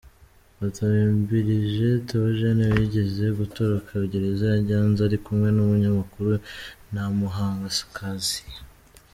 -Batambirije Théogène wigeze gutoroka gereza ya Nyanza ari kumwe n’umunyamakuru Ntamuhanga Cassien